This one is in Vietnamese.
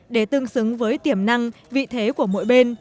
để tương xứng với tiềm năng vị thế của mỗi bên